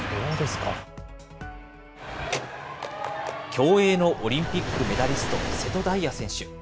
競泳のオリンピックメダリスト、瀬戸大也選手。